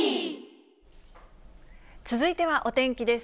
続いてはお天気です。